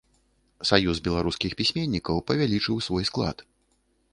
Саюз беларускіх пісьменнікаў павялічыў свой склад.